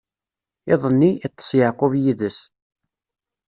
Iḍ-nni, iṭṭeṣ Yeɛqub yid-s.